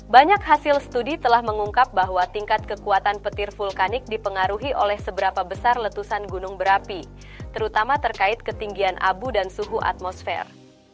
banyak hasil studi telah mengungkap bahwa tingkat kekuatan petir vulkanik dipengaruhi oleh seberapa besar letusan gunung berapi terutama terkait ketinggian abu dan suhu atmosfer